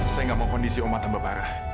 saya enggak mau kondisi oma terbarah